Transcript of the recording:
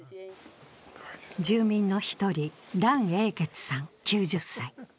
住民の１人、藍英傑さん９０歳。